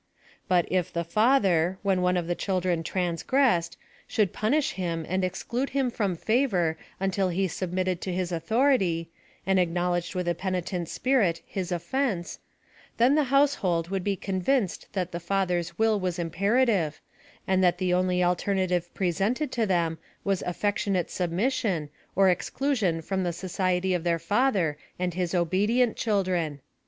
But if the father, when one of the children transgressed, should punish him and exclude him from favor till he submitted to his authority, and acknowledged with a penitent spirit his offence, then the house hold would be convinced that the father's will was imperative, and that the only alternative presented to them was affectionate submission, or exclusion from the society of their father and his obedient children.